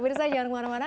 om irsa jangan kemana mana